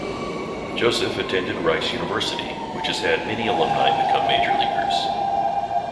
Joseph attended Rice University, which has had many alumni become Major Leaguers.